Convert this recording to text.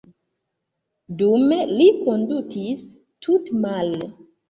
Dume li kondutis tute male.